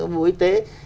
bộ y tế